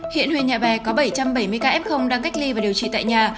hiện huyện nhà bè có bảy trăm bảy mươi ca f đang cách ly và điều trị tại nhà